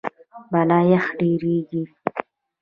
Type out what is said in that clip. بالا یخ ډېریږي.